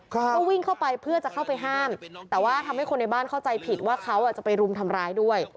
ก็วิ่งเข้าไปเพื่อจะเข้าไปห้ามแต่ว่าทำให้คนในบ้านเข้าใจผิดว่าเขาจะไปรุมทำร้ายด้วย